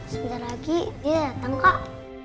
sebentar lagi dia datang kok